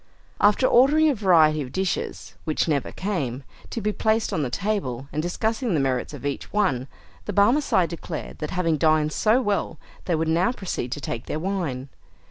After ordering a variety of dishes (which never came) to be placed on the table, and discussing the merits of each one, the Barmecide declared that having dined so well, they would now proceed to take their wine.